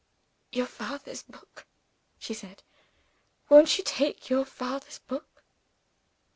"Your father's book," she said. "Won't you take your father's book?"